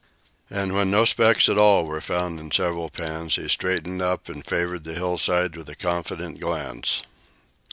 And when no specks at all were found in several pans, he straightened up and favored the hillside with a confident glance.